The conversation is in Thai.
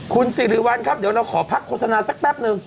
คุณสิริวัลครับเดี๋ยวเราขอพักโฆษณาสักแป๊บนึง